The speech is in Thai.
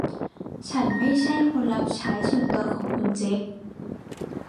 ฉันไม่ใช่คนรับใช้ส่วนตัวของคุณเจค